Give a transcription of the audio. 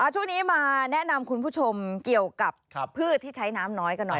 ช่วงนี้มาแนะนำคุณผู้ชมเกี่ยวกับพืชที่ใช้น้ำน้อยกันหน่อย